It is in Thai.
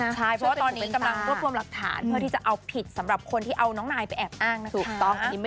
เพราะว่าตอนนี้กำลังรวบรวมหลักฐานเพื่อที่จะเอาผิดสำหรับคนที่เอาน้องนายไปแอบอ้างนะคะ